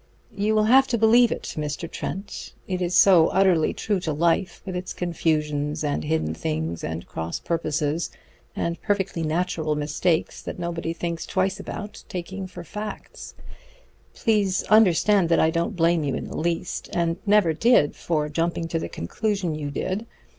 "You will have to believe it, Mr. Trent; it is so utterly true to life, with its confusions and hidden things and cross purposes and perfectly natural mistakes that nobody thinks twice about taking for facts. Please understand that I don't blame you in the least, and never did, for jumping to the conclusion you did.